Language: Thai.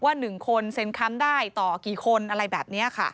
ว่าหนึ่งคนเซ็นคำได้ต่อกี่คนอะไรแบบเนี้ยค่ะ